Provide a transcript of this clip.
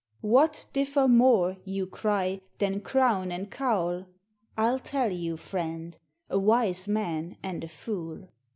" What differ more (yon cry) (ban crown and <owl ?" I '11 tell yon, friend ; a wise man and a fool.